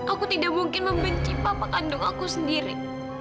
aku tidak mungkin membenci bapak kandung aku sendiri